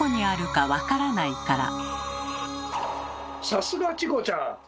さすがチコちゃん。